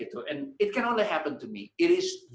dan hanya bisa terjadi pada saya